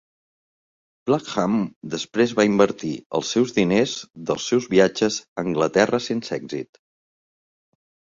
Blackham després va invertir els seus diners dels seus viatges a Anglaterra sense èxit.